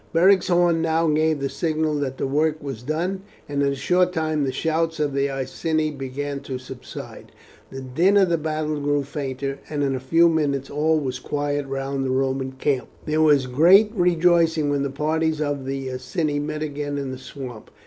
Beric's horn now gave the signal that the work was done, and in a short time the shouts of the Iceni began to subside, the din of the battle grew fainter, and in a few minutes all was quiet round the Roman camp. There was great rejoicing when the parties of the Iceni met again in the swamp.